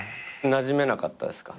なじめなかったですか？